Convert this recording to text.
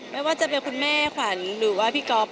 ไม่ว่าจะเป็นคุณแม่ขวัญหรือว่าพี่ก๊อฟ